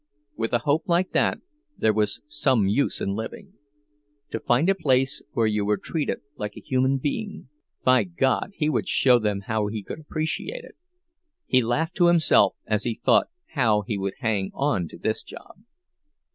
With a hope like that, there was some use in living; to find a place where you were treated like a human being—by God! he would show them how he could appreciate it. He laughed to himself as he thought how he would hang on to this job!